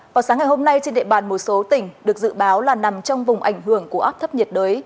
vào sáng ngày hôm nay trên địa bàn một số tỉnh được dự báo là nằm trong vùng ảnh hưởng của áp thấp nhiệt đới